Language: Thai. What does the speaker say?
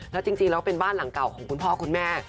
แล้วจริงแล้วเป็นบ้านหลังเก่าของคุณพ่อคุณแม่